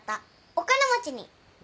お金持ち？